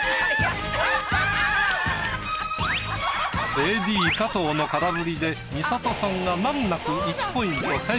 ＡＤ加藤の空振りで美里さんが難なく１ポイント先取！